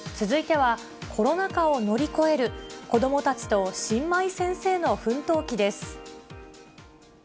続いては、コロナ禍を乗り越える子どもたちと新米先生の奮闘記です。